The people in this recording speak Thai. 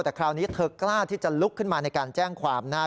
แต่คราวนี้เธอกล้าที่จะลุกขึ้นมาในการแจ้งความนะฮะ